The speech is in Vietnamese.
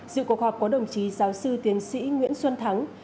dự cuộc họp có đồng chí giáo sư tiến sĩ nguyễn xuân thắng